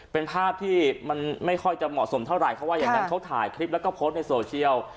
เป็นภาพที่มันไม่ค่อยจะเหมาะสมเท่าไหร่เขาว่าอย่างนั้นเขาถ่ายคลิปแล้วก็โพสต์ในโซเชียล